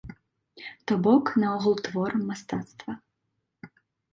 То-бок, наогул творам мастацтва.